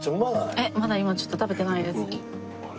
えっまだ今ちょっと食べてないです。